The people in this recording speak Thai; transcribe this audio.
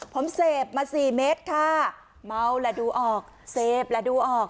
ผมเสพมาสี่เมตรค่ะเมาและดูออกเสพและดูออก